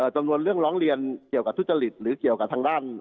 จำนวนเรื่องร้องเรียนเกี่ยวกับทุจริตหรือเกี่ยวกับทางด้าน